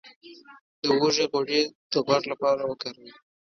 د هوږې غوړي د غوږ لپاره وکاروئ